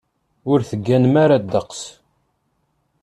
Ur tegganem ara ddeqs.